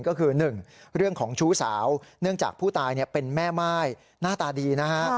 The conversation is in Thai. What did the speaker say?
ก็คือ๑เรื่องของชู้สาวเนื่องจากผู้ตายเป็นแม่ม่ายหน้าตาดีนะฮะ